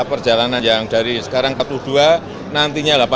kejalanan yang dari sekarang empat puluh dua nantinya delapan puluh dua kan